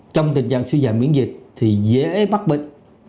trong tình trạng suy giảm miễn dịch thì dễ mắc bệnh